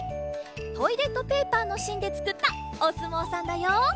トイレットペーパーのしんでつくったおすもうさんだよ。